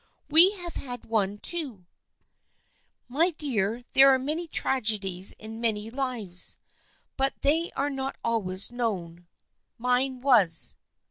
" We have had one too." " My dear, there are many tragedies in many lives, but they are not always known. Mine was."